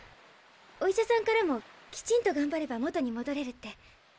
お医者さんからも「きちんとがんばれば元にもどれる」って。